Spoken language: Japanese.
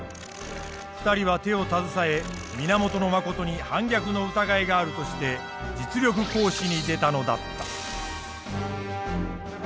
２人は手を携え源信に反逆の疑いがあるとして実力行使に出たのだった。